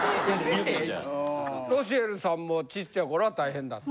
ロシエルさんもちっちゃい頃は大変だった。